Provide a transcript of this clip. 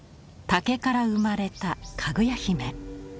竹から生まれたかぐや姫。